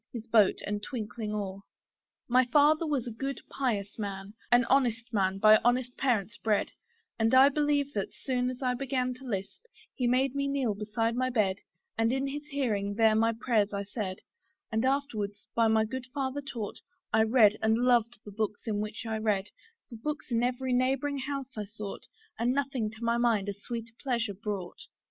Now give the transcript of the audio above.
his boat and twinkling oar. My father was a good and pious man, An honest man by honest parents bred, And I believe that, soon as I began To lisp, he made me kneel beside my bed, And in his hearing there my prayers I said: And afterwards, by my good father taught, I read, and loved the books in which I read; For books in every neighbouring house I sought, And nothing to my mind a sweeter pleasure brought.